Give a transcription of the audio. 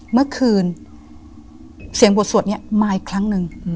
เมื่อคืนเสียงบทสวดนี้มาอีกครั้งหนึ่ง